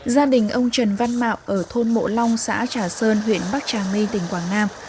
gia đình ông trần văn mạo ở thôn mộ long xã trà sơn huyện bắc trà my tỉnh quảng nam